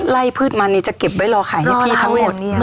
พืชมันนี่จะเก็บไว้รอขายให้พี่ทั้งหมด